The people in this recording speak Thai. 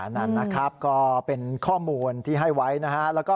นั่นนะครับก็เป็นข้อมูลที่ให้ไว้นะฮะ